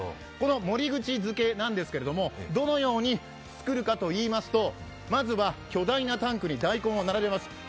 守口漬けなんですけれども、どのように作るかといいますとまずは巨大なタンクに大根を並べます。